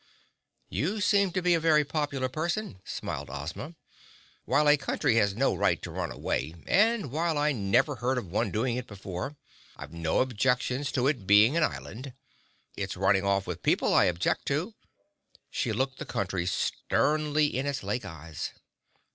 "You seem to be a very popular person," smiled Ozma. "While a Country has no right to run away, and while I never heard of one doing it before, I've no objections to its being an island. It's running off with people I object to." She looked the Country sternly in its lake eyes.